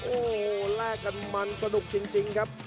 โอ้โหแลกกันมันสนุกจริงครับ